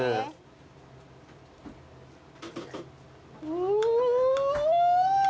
うん！